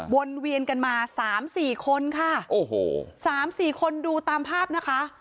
วนเวียนกันมาสามสี่คนค่ะโอ้โหสามสี่คนดูตามภาพนะคะ